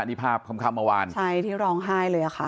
นี่ภาพค่ำเมื่อวานใช่ที่ร้องไห้เลยค่ะ